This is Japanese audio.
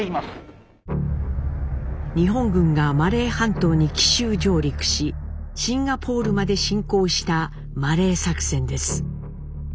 日本軍がマレー半島に奇襲上陸しシンガポールまで侵攻したマレー作戦です。